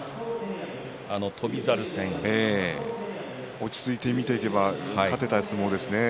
落ち着いて見ていけば勝てた相撲ですね。